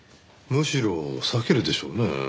むしろ避けるでしょうね。